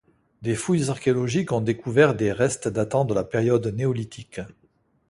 Des fouilles archéologiques ont découvert des restes datant de la période néolithique.